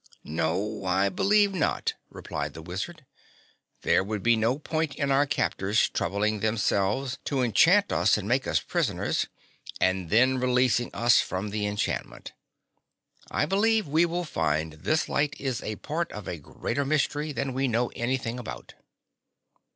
"No, I believe not," replied the Wizard. "There would be no point in our captors' troubling themselves to enchant us and make us prisoners, and then releasing us from the enchantment. I believe we will find this light is a part of a greater mystery than we know anything about."